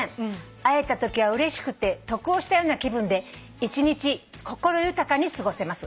「会えたときはうれしくて得をしたような気分で一日心豊かに過ごせます」